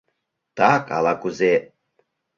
Так ала-кузе...